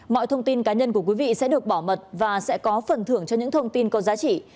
mọi thông tin cá nhân của quý vị sẽ được bảo mật và sẽ có phần thưởng cho những thông tin có giá trị